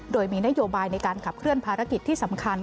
โดยมีนโยบายในการขับเคลื่อนภารกิจที่สำคัญ